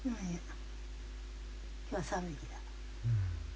今日は３匹だ。